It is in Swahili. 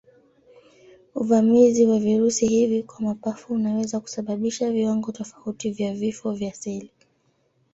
Uvamizi wa virusi hivi kwa mapafu unaweza kusababisha viwango tofauti vya vifo vya seli.